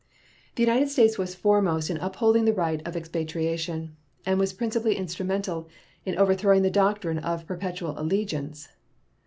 The United States was foremost in upholding the right of expatriation, and was principally instrumental in overthrowing the doctrine of perpetual allegiance.